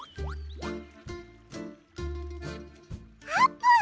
あーぷん！